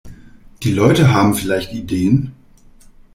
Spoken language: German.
Die Leute haben vielleicht Ideen!